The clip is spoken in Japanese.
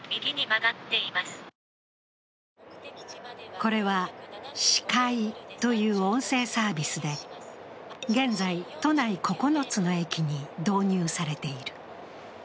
これはｓｈｉｋＡＩという音声サービスで、現在、都内９つの駅に導入されている。